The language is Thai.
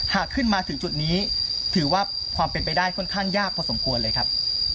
หากขึ้นมาถึงจุดนี้ถือว่าความเป็นไปได้ค่อนข้างยากพอสมควรเลยครับ